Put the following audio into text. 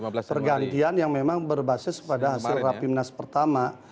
pergantian yang memang berbasis pada hasil rapimnas pertama